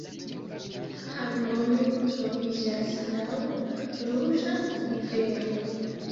Hanojo troviĝas laŭ Ruĝa rivero.